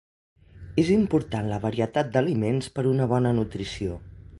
És important la varietat d'aliments per a una bona nutrició.